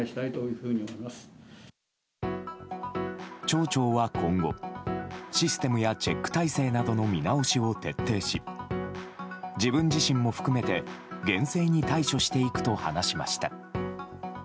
町長は今後システムやチェック体制などの見直しを徹底し自分自身も含めて厳正に対処していくと話しました。